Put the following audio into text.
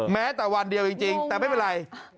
แม้แต่วันเดียวจริงแต่ไม่เป็นไร